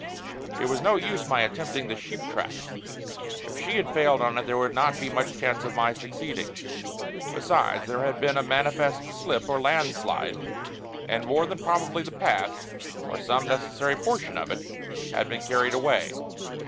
It was no use my attempting the sheep track; if she had failed on it there would not be much chance of my succeeding. Besides, there had been a manifest slip or landslide; and more than probably the path, or some necessary portion of it, had been carried away.